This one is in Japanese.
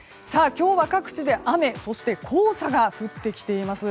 今日は各地で雨そして黄砂が降ってきています。